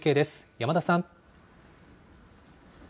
山田さん。